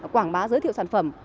quảng bá giới thiệu sản phẩm